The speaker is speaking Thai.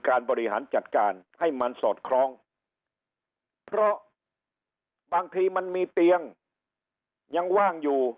บริหารจัดการให้มันสอดคล้องเพราะบางทีมันมีเตียงยังว่างอยู่